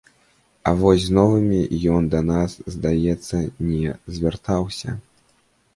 А вось з новымі ён да нас, здаецца, не звяртаўся.